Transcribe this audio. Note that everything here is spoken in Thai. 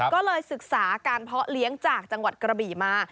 ก็เลยศึกษาการเพาะเลี้ยงจากจังหวัดกระบี่มา